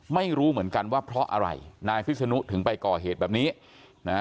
ไม่รู้เหมือนกันว่าเพราะอะไรนายพิษนุถึงไปก่อเหตุแบบนี้นะฮะ